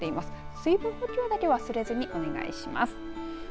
水分補給だけ忘れずにお願いします。